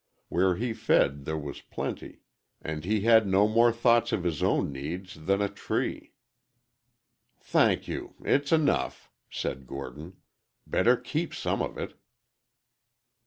Where he fed there was plenty, and he had no more thought of his own needs than a tree. "Thank you' It's enough," said Gordon. "Better keep some of it."